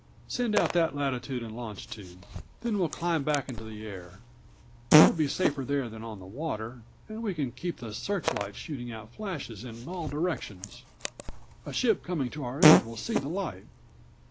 Send out that latitude and longitude; then we'll climb back into the air. We'll be safer there than on the water and we can keep the searchlight shooting out flashes in all directions. A ship coming to our aid will see the light."